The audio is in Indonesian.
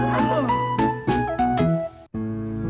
long tak dijangkau